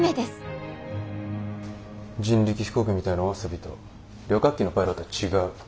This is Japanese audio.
人力飛行機みたいなお遊びと旅客機のパイロットは違う。